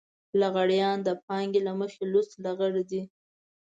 لغړيان د پانګې له مخې لوڅ لغړ دي.